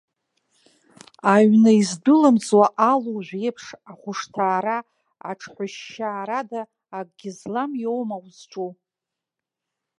Аҩны издәылымҵуа алужә еиԥш, ахәышҭаара аҽҳәышьшьаарада акгьы злам иоума узҿу?